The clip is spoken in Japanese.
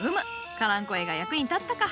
カランコエが役に立ったか。